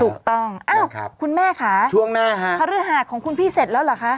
ถูกต้องอ้าวคุณแม่ค่ะช่วงหน้าฮะคฤหาสของคุณพี่เสร็จแล้วเหรอคะ